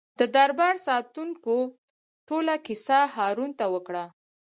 د دربار ساتونکو ټوله کیسه هارون ته وکړه.